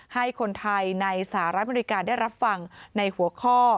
ให้คนไทยในสหรัฐอเมริกาได้รับฟังในหัวข้อ